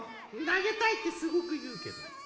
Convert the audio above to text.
なげたいってすごくいうけど。